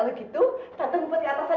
kalau gitu tante ngumpet di atas aja ya